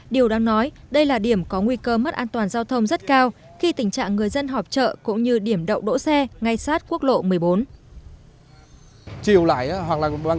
điều đáng nói đây là điểm có nguy cơ mất an toàn giao thông rất cao khi tình trạng người dân họp chợ cũng như điểm đậu đỗ xe ngay sát quốc lộ một mươi bốn